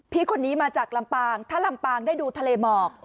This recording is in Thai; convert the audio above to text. พี่คนนี้มาจากลำปางถ้าลำปางได้ดูทะเลหมอก